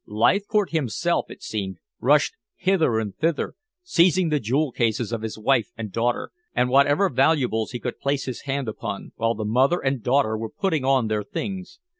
Leithcourt himself, it seemed, rushed hither and thither, seizing the jewel cases of his wife and daughter and whatever valuables he could place his hand upon, while the mother and daughter were putting on their things.